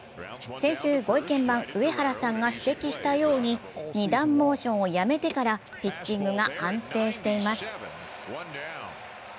先週、御意見番・上原さんが指摘したように二段モーションをやめてからピッチングが安定しています。